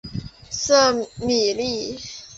瑟米利。